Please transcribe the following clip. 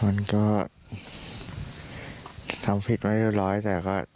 มันก็ทำผิดไว้เรียบร้อยแต่ก็